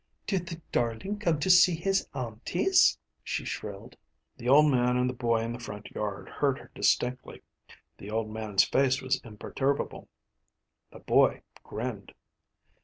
“Did the darling come to see his aunties?‚ÄĚ she shrilled. The old man and the boy in the front yard heard her distinctly. The old man’s face was imperturbable. The boy grinned.